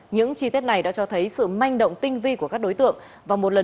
những chi tiết này đã cho thấy sự may mắn